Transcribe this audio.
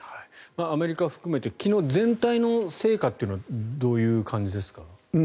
アメリカ含めて昨日全体の成果というのはどういう感じですか？